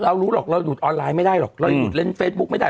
เรารู้หรอกเราดูดออนไลน์ไม่ได้หรอกเราหยุดเล่นเฟซบุ๊กไม่ได้